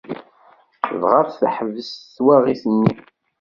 Dɣa teḥbes twaɣit-nni.